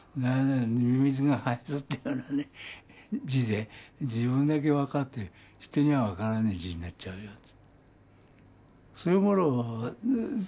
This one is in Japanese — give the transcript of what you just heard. ミミズがはいずったようなね字で自分だけ分かって人には分からない字になっちゃうよって。